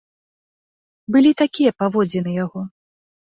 Былі такія паводзіны яго.